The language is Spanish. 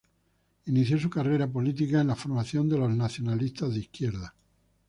Inició su carrera política en la formación de los Nacionalistas de Izquierda.